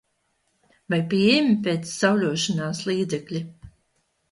Vai pieejami pēc sauļošanās līdzekļi?